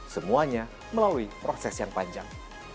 semuanya melalui proses yang panjang